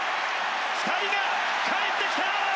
２人がかえってきた！